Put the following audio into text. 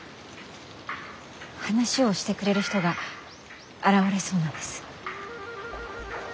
話をしてくれる人が現れそうなんです。